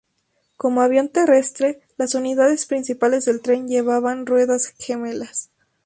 Como avión terrestre, las unidades principales del tren llevaban ruedas gemelas.